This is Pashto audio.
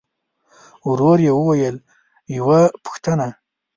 ورو يې وويل: يوه پوښتنه!